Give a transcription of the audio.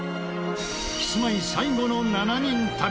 キスマイ最後の７人旅。